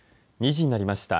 ２時になりました。